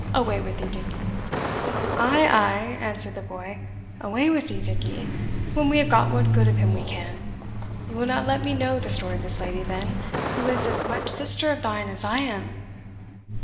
Away with thee, Dickie!" "Ay, ay!" answered the boy "away with Dickie, when we have got what good of him we can. You will not let me know the story of this lady, then, who is as much sister of thine as I am?"